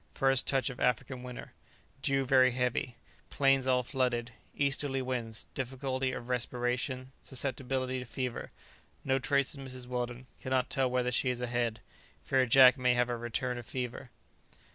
First touch of African winter. Dew very heavy. Plains all flooded. Easterly winds: difficulty of respiration; susceptibility to fever. No trace of Mrs. Weldon; cannot tell whether she is ahead. Fear Jack may have a return of fever.